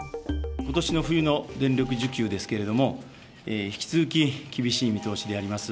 ことしの冬の電力需給ですけれども、引き続き厳しい見通しであります。